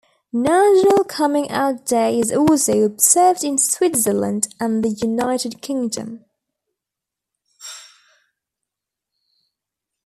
National Coming Out Day is also observed in Switzerland and the United Kingdom.